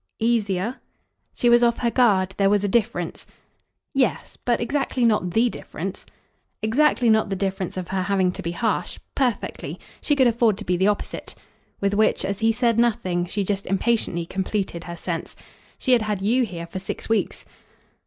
"Easier?" "She was off her guard. There was a difference." "Yes. But exactly not THE difference." "Exactly not the difference of her having to be harsh. Perfectly. She could afford to be the opposite." With which, as he said nothing, she just impatiently completed her sense. "She had had YOU here for six weeks."